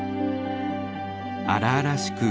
荒々しく